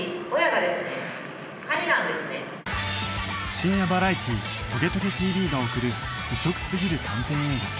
深夜バラエティー『トゲトゲ ＴＶ』が送る異色すぎる短編映画